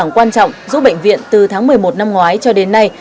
nền tảng quan trọng giúp bệnh viện từ tháng một mươi một năm ngoái cho đến nay